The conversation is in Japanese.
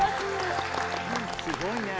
すごいね。